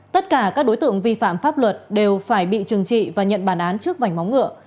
tất cả các đối tượng vi phạm pháp luật đều phải bị trừng trị và nhận bản án trước vảnh móng ngựa